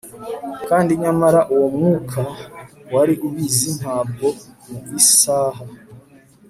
Kandi nyamara uwo mwuka wari ubizi ntabwo mu isaha